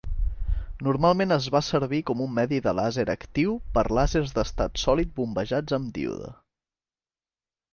Normalment es va servir com un medi de làser actiu per làsers d'estat sòlid bombejats amb díode.